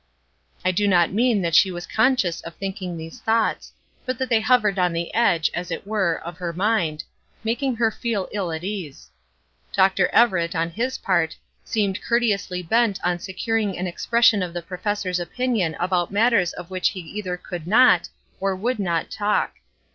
I do not mean that she was conscious of thinking these thoughts, but that they hovered on the edge, as it were, of her mind, making her feel ill at ease. Dr. Everett, on his part, seemed courteously bent on securing an expression of the professor's opinion about matters of which he either could not, or would not, talk.